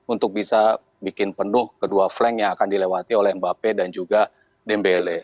untuk bisa bikin penuh kedua flank yang akan dilewati oleh mbappe dan juga dembele